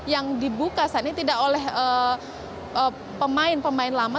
yang dibuka saat ini tidak oleh pemain pemain lama